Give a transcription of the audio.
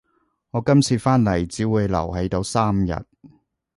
我今次返嚟只會留喺度三日